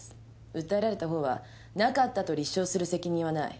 訴えられたほうはなかったと立証する責任はない。